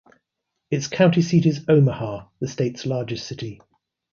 Its county seat is Omaha, the state's largest city.